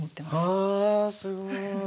ああすごい。